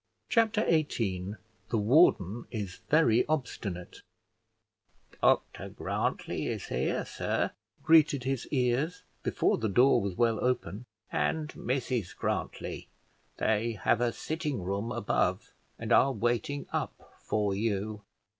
Chapter XVIII THE WARDEN IS VERY OBSTINATE "Dr Grantly is here, sir," greeted his ears before the door was well open, "and Mrs Grantly. They have a sitting room above, and are waiting up for you."